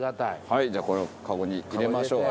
はいじゃあこれをカゴに入れましょう。